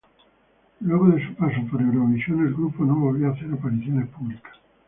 Luego de su paso por Eurovisión, el grupo no volvió a hacer apariciones públicas.